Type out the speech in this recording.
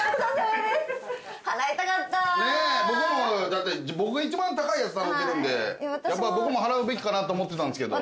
だって僕が一番高いやつ頼んでるんでやっぱ僕も払うべきかなと思ってたんですけど。